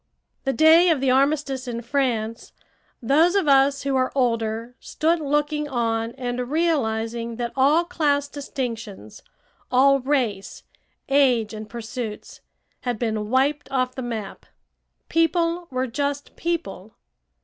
The day of the armistice in France, those of us who are older stood looking on and realizing that all class distinctions, all race, age, and pursuits, had been wiped off the map. People were just people.